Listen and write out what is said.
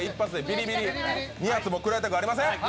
２発も食らいたくありません。